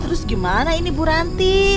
terus gimana ini bu ranti